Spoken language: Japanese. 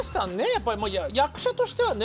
やっぱり役者としてはね